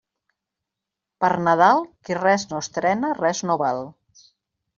Per Nadal, qui res no estrena, res no val.